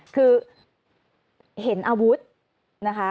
คือเห็นอาวุธนะคะ